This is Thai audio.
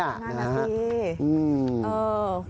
น่ารักดี